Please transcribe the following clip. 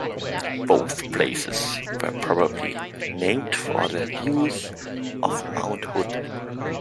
Both places were probably named for their views of Mount Hood.